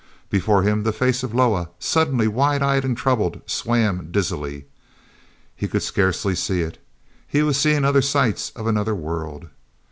Before him the face of Loah, suddenly wide eyed and troubled, swam dizzily. He could scarcely see it—he was seeing other sights of another world.